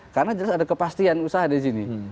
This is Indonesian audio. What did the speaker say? karena jelas ada kepastian usaha di sini